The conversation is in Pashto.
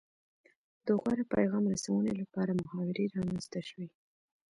د غوره پیغام رسونې لپاره محاورې رامنځته شوې